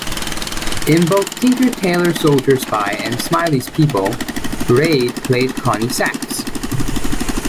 In both "Tinker Tailor Soldier Spy" and "Smiley's People" Reid played Connie Sachs.